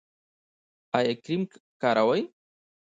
ایا کریم کاروئ؟